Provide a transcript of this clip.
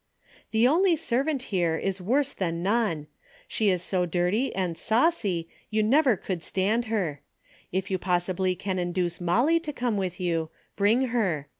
The only servant here is worse than none. She is so dirty and saucy you never could stand her. If you possibly can induce Molly to come with you, bring her.